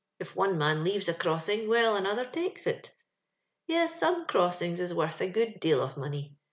If one man leaves a crossing, well, another takes it. " Yes, some crossings is worth a good deal of money.